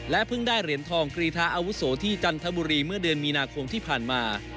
เพิ่งได้เหรียญทองกรีธาอาวุโสที่จันทบุรีเมื่อเดือนมีนาคมที่ผ่านมา